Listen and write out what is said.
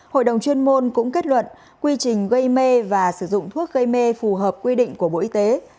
hội đồng chuyên môn cũng kết luận quy trình gây mê và sử dụng thuốc gây mê phù hợp quy định của bộ y tế